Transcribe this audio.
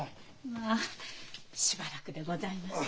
まあしばらくでございます。